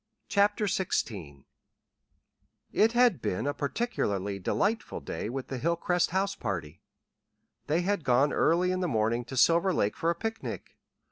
CHAPTER XVI It had been a particularly delightful day with the Hilcrest house party. They had gone early in the morning to Silver Lake for a picnic.